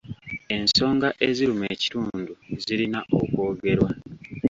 Ensonga eziruma ekitundu zirina okwogerwa.